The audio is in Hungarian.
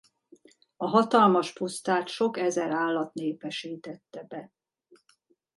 A hatalmas pusztát sok ezer állat népesítette be.